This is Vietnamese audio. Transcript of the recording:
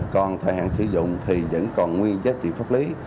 còn thời hạn sử dụng thì vẫn còn nguyên giá trị pháp lý